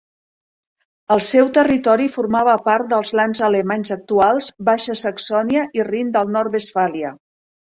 El seu territori formava part dels lands alemanys actuals Baixa Saxònia i Rin del Nord-Westfàlia.